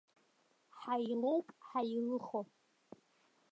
Ҳаилоуп ҳаилыхо.